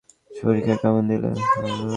পরীক্ষা কেমন দিলে?